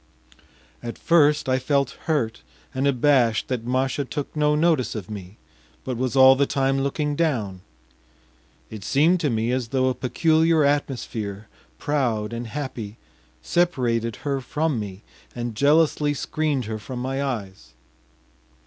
At first I felt hurt and abashed that Masha took no notice of me, but was all the time looking down; it seemed to me as though a peculiar atmosphere, proud and happy, separated her from me and jealously screened her from my eyes.